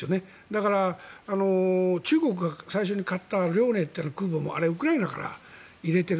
だから、中国が最初に買った「遼寧」という空母もあれはウクライナから入れている。